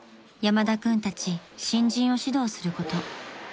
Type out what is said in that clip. ［山田君たち新人を指導すること］